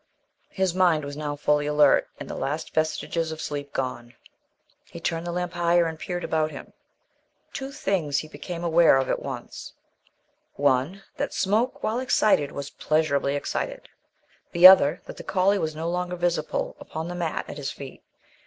His mind was now fully alert, and the last vestiges of sleep gone. He turned the lamp higher and peered about him. Two things he became aware of at once: one, that Smoke, while excited, was pleasurably excited; the other, that the collie was no longer visible upon the mat at his feet.